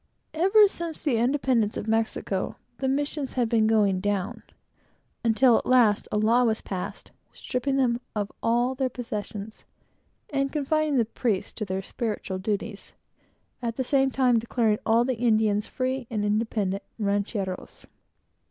Ever since the independence of Mexico, the missions have been going down; until, at last, a law was passed, stripping them of all their possessions, and confining the priests to their spiritual duties; and at the same time declaring all the Indians free and independent Rancheros.